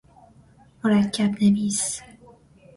مرکب نویس